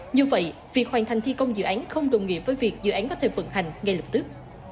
như vậy việc hoàn thành thi công dự án không đồng nghĩa với việc dự án có thể vận hành ngay lập tức